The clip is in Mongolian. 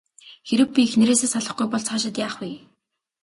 Хэрэв би эхнэрээсээ салахгүй бол цаашид яах вэ?